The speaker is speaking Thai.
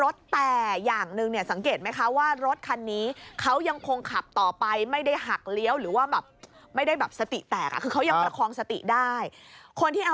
เดี๋ยวไปดูคลิปนี้ก่อนค่ะ